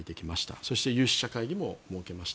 そして有識者会議も設けました。